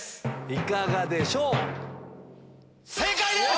いかがでしょう？